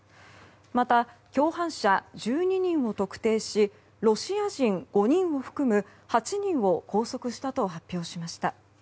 また、共犯者１２人を特定しロシア人５人を含む８人を拘束したと発表しました。